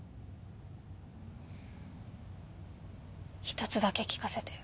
一つだけ聞かせて。